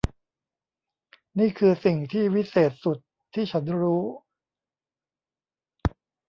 นี่คือสิ่งที่วิเศษสุดที่ฉันรู้